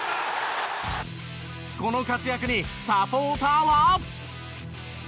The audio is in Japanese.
この活躍にサポーターは。